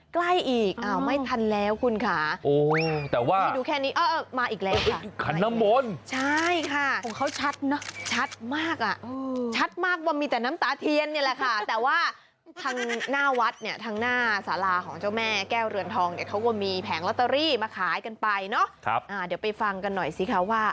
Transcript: ผมดูจากท่าทางของเขาแล้วเนี่ยนะผมรู้เลยว่า